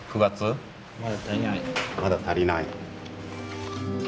まだ足りない。